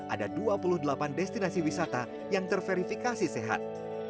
ada dua puluh delapan destinasi wisata yang terverifikasi sehat